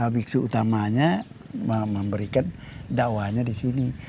biksu utamanya memberikan dakwahnya di sini